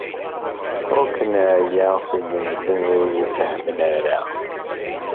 Uk neɛya seg medden ur ifehhmen ara.